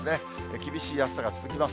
厳しい暑さが続きます。